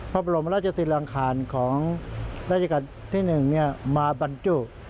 พระบรมราชศิลังคารของราชการที่๑มาบรรจุ